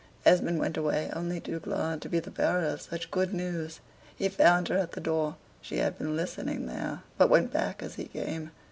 Esmond went away only too glad to be the bearer of such good news. He found her at the door; she had been listening there, but went back as he came.